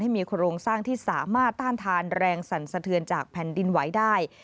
มีโครงสร้างที่สามารถต้านทานแรงสั่นสะเทือนจากแผ่นดินไหวได้